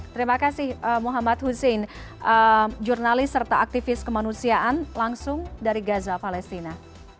terima kasih muhammad hussein jurnalis serta aktivis kemanusiaan langsung dari gaza palestina